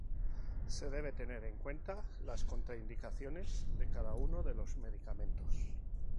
Se debe de tener en cuentas las contraindicaciones de cada uno de los medicamentos.